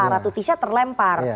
ratu tisha terlempar